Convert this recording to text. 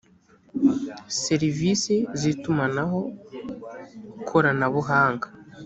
serivisi z itumanaho koranabuhanga